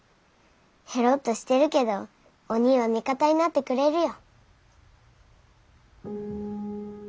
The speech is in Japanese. へろっとしてるけどおにぃは味方になってくれるよ。